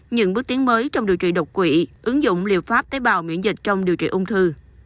những bước tiến mới trong điều trị đột quỵ ứng dụng liều pháp tế bào miễn dịch trong điều trị ung thư